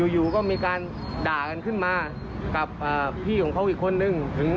อยู่ก็มีการด่ากันขึ้นมากับพี่ของเขาอีกคนนึง